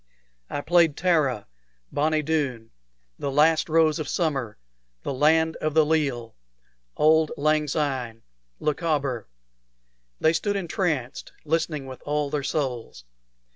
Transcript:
I played "Tara," "Bonnie Doon," "The Last Rose of Summer," "The Land of the Leal," "Auld Lang Syne," "Lochaber." They stood entranced, listening with all their souls.